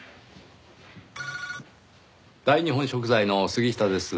大日本食材の杉下です。